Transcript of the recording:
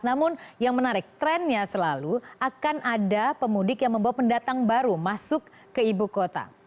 namun yang menarik trennya selalu akan ada pemudik yang membawa pendatang baru masuk ke ibu kota